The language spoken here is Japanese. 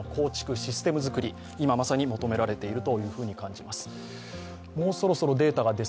システム作り、今まさに求められていると感じます。